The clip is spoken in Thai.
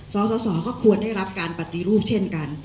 สสก็ควรได้รับการปฏิรูปเช่นกัน